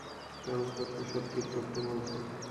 কাগজপত্র সব ঠিক করতে বলছে।